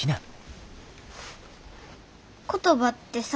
言葉ってさぁ。